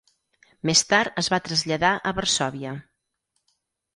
Més tard es va traslladar a Varsòvia.